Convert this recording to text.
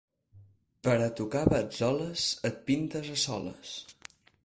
Per a tocar batzoles, et pintes a soles.